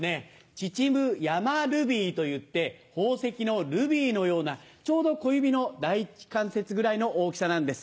「ちちぶ山ルビー」といって宝石のルビーのようなちょうど小指の第一関節ぐらいの大きさなんです。